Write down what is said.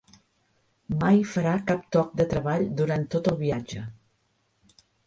Mai farà cap toc de treball durant tot el viatge.